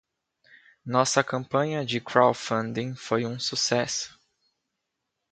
Nossa campanha de crowdfunding foi um sucesso.